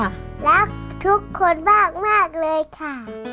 รักทุกคนมากเลยค่ะ